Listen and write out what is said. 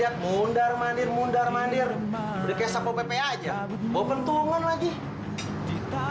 iya dia itu seorang gaya aja mau pentulongan lagi